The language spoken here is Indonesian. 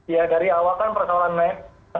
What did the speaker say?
ya dari awal kan persoalan naik